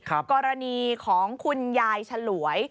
กรณีของคุณยายฉลวย